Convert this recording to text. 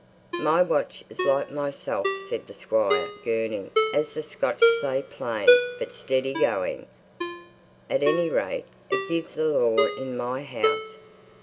"My watch is like myself," said the squire, 'girning,' as the Scotch say "plain, but steady going. At any rate, it gives the law in my house.